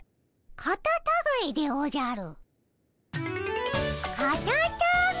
カタタガエでおじゃる。